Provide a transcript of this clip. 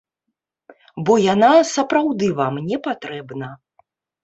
Бо яна сапраўды вам непатрэбна.